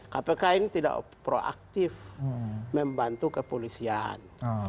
kpk ini tidak proaktif membantu kepolisian